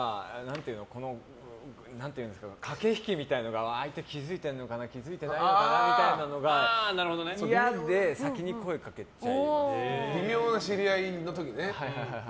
駆け引きみたいなのが相手、気づいてるのかな気づいてないのかなみたいなのが嫌で微妙な知り合いの時ね。